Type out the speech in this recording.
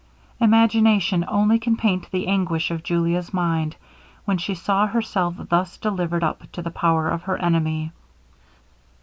Imagination only can paint the anguish of Julia's mind, when she saw herself thus delivered up to the power of her enemy.